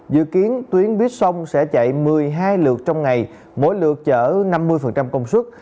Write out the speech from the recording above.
dự kiến tuyến buýt sông sẽ chạy một mươi hai lượt trong ngày mỗi lượt chở năm mươi công suất